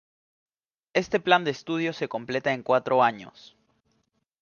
Este plan de estudios se completa en cuatro años.